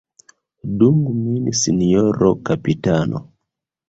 Dungu min sinjoro kapitano!